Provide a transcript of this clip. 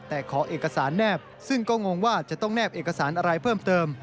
แต่ขอเอกสารแนบซึ่งก็งงว่าจะต้องแนบเอกสารอะไรเพิ่มเติม